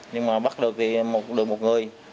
nhưng mà bắt được thì được một người